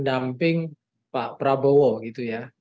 damping pak prabowo gitu ya